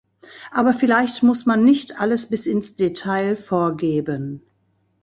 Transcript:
Aber vielleicht muss man nicht alles bis ins Detail vorgeben.